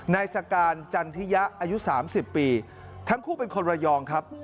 นายสการจันทิยะอายุ๓๐ปีทั้งคู่เป็นคนระยองครับ